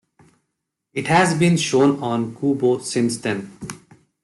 It has been shown on Qubo since then.